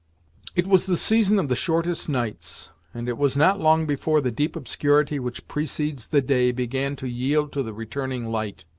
It was the season of the shortest nights, and it was not long before the deep obscurity which precedes the day began to yield to the returning light.